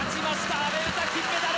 阿部詩金メダル！